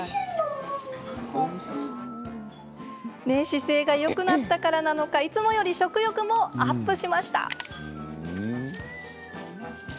姿勢がよくなったからなのかいつもより食欲もアップ。